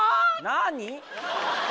何？